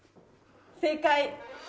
正解。